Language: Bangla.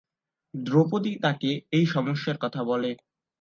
দ্রৌপদী তাকে এই সমস্যার কথা বলে।